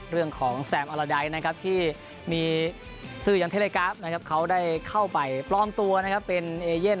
เรื่องของแซมอลลาได๊สที่มีซื้อยังเทเลกราฟท์เขาได้เข้าไปปล้อมตัวเป็นเอเย่น